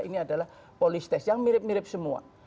ini adalah polistes yang mirip mirip semua